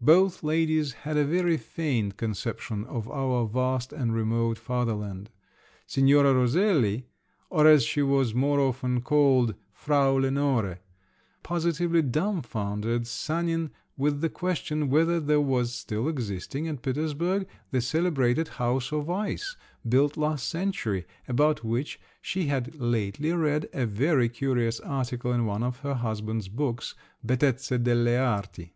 Both ladies had a very faint conception of our vast and remote fatherland; Signora Roselli, or as she was more often called, Frau Lenore, positively dumfoundered Sanin with the question, whether there was still existing at Petersburg the celebrated house of ice, built last century, about which she had lately read a very curious article in one of her husband's books, "Bettezze delle arti."